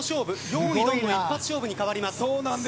よーいどんの一発勝負に変わります。